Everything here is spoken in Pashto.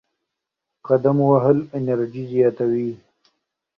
قدم وهل انرژي زیاتوي.